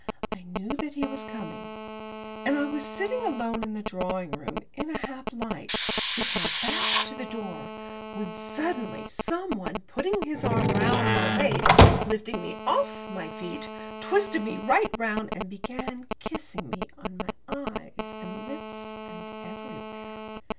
I knew that he was coming. And I was sitting alone in the drawing room, in a half light, with my back to the door, when suddenly someone, putting his arm round my waist, lifting me off my feet, twisted me right round, and began kissing me on my eyes and lips and everywhere.